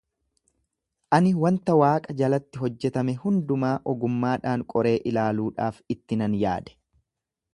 ani wanta waaqa jalatti hojjetame hundumaa ogummaadhaan qoree ilaaluudhaaf itti nan yaade;